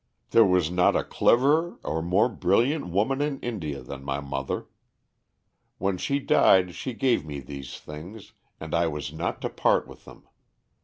"There was not a cleverer or more brilliant woman in India than my mother. When she died she gave me these things, and I was not to part with them.